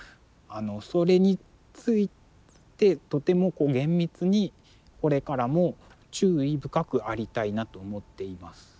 それについてとても厳密にこれからも注意深くありたいなと思っています。